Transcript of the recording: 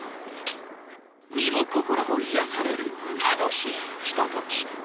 身も心も癒やされる楽しいひととき。